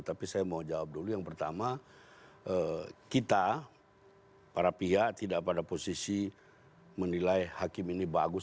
tapi saya mau jawab dulu yang pertama kita para pihak tidak pada posisi menilai hakim ini bagus